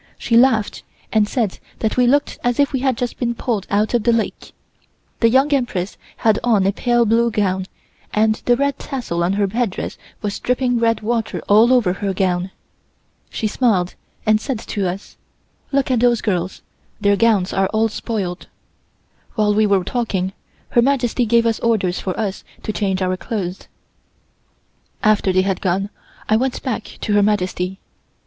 She laughed and said that we looked as if we had just been pulled out of the lake. The Young Empress had on a pale blue gown, and the red tassel on her headdress was dripping red water all over her gown. She smiled and said to us: "Look at those girls; their gowns are all spoiled." While we were talking, Her Majesty gave us orders for us to change our clothes. After they had gone, I went back to Her Majesty.